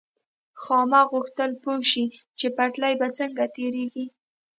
خاما غوښتل پوه شي چې پټلۍ به څنګه تېرېږي.